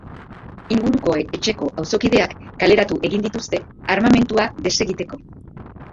Inguruko etxeko auzokideak kaleratu egin dituzte armamentua desegiteko.